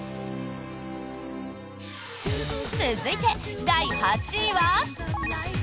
続いて、第８位は。